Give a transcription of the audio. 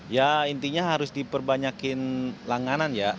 ya intinya harus diperbanyakin langganan ya